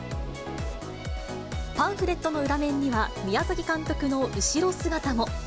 パンフレットの裏面には宮崎監督の後ろ姿も。